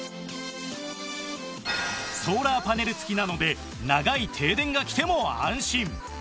ソーラーパネル付きなので長い停電がきても安心